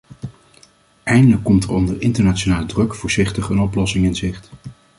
Eindelijk komt er onder internationale druk voorzichtig een oplossing in zicht.